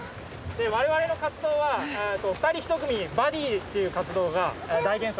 我々の活動は２人１組バディっていう活動が大原則です。